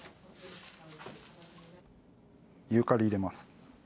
ユーカリ入れます。